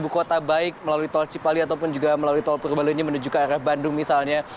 ibu kota baik melalui tol cipali ataupun juga melalui tol purbalunyi menuju ke arah bandung misalnya